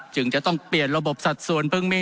จึงจะต้องเปลี่ยนระบบสัดส่วนเพิ่งมี